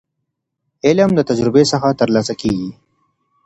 علم له تجربې څخه ترلاسه کيږي.